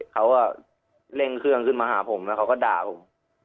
เขาก็เร่งเครื่องขึ้นมาหาผมแล้วเขาก็ด่าผม